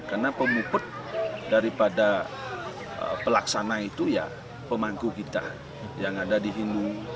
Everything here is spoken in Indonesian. karena pemuput daripada pelaksanaan itu ya pemangku kita yang ada di hindu